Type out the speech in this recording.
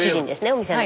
お店の。